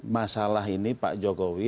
masalah ini pak jokowi